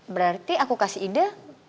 berarti aku kasih ide